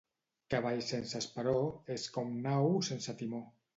Cavall sense esperó és com nau sense timó.